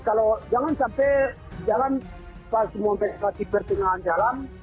kalau jangan sampai jangan pas memotivasi pertengahan jalan